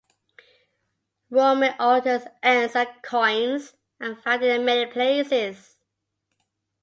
Roman altars, urns, and coins are found in many places.